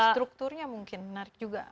strukturnya mungkin menarik juga